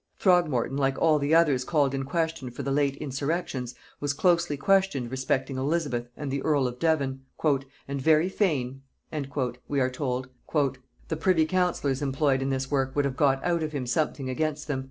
Throgmorton, like all the others called in question for the late insurrections, was closely questioned respecting Elizabeth and the earl of Devon; "and very fain," we are told, "the privy councillors employed in this work would have got out of him something against them.